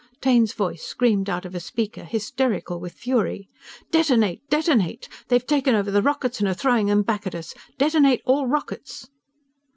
Taine's voice screamed out of a speaker, hysterical with fury: "_Detonate! Detonate! They've taken over the rockets and are throwing 'em back at us! Detonate all rockets!